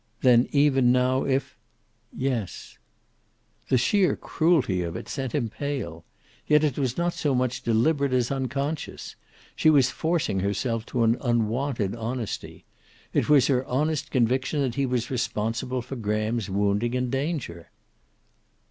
"Then, even now, if " "Yes." The sheer cruelty of it sent him pale. Yet it was not so much deliberate as unconscious. She was forcing herself to an unwonted honesty. It was her honest conviction that he was responsible for Graham's wounding and danger.